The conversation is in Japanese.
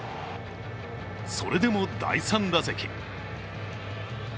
それでも第３打席。